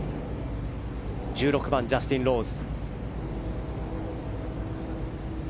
１６番、ジャスティン・ローズ。